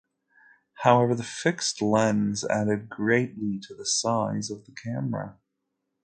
However, the fixed lens added greatly to the size of the camera.